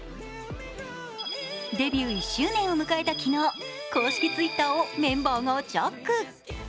デビュー１周年を迎えた昨日、公式Ｔｗｉｔｔｅｒをメンバーがジャック。